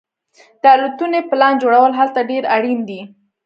د الوتنې پلان جوړول هلته ډیر اړین دي